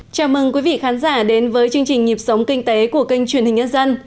chào mừng quý vị khán giả đến với chương trình nhịp sống kinh tế của kênh truyền hình nhân dân